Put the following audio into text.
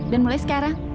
dan mulai sekarang